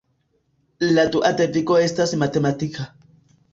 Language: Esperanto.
La dua devigo estas matematika.